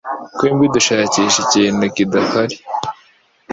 Twembi dushakisha ikintu kidahari.